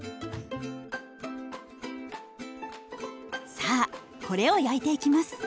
さあこれを焼いていきます。